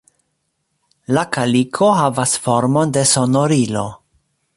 La kaliko havas formon de sonorilo.